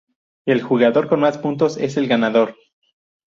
El jugador con más puntos es el ganador.